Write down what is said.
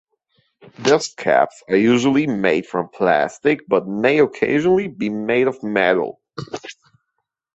Dustcaps are usually made from plastic but may occasionally be made of metal.